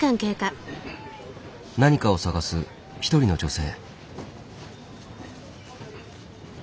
何かを探す一人の女性。